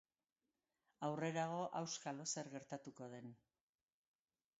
Aurrerago, auskalo zer gertatuko den.